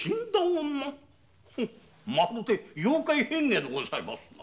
まるでよう怪変化でございますな。